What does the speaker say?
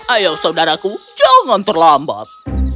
ayo saudaraku jangan terlambat